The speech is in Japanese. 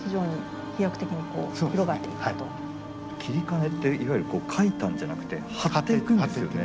截金っていわゆる描いたんじゃなくて貼っていくんですよね。